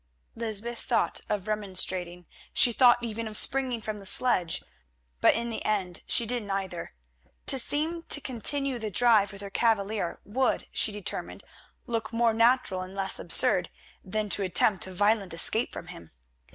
Lysbeth thought of remonstrating, she thought even of springing from the sledge, but in the end she did neither. To seem to continue the drive with her cavalier would, she determined, look more natural and less absurd than to attempt a violent escape from him.